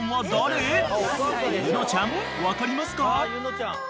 ［柚乃ちゃん分かりますか？］